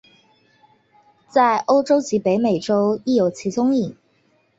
在欧洲及北美洲亦有其踪影。